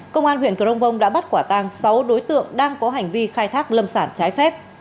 công an huyện crong bông đã bắt quả tang sáu đối tượng đang có hành vi khai thác lâm sản trái phép